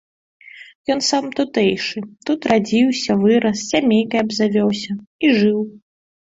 Ён сам тутэйшы, тут радзіўся, вырас, сямейкай абзавёўся і жыў.